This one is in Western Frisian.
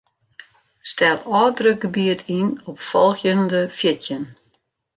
Stel ôfdrukgebiet yn op folgjende fjirtjin.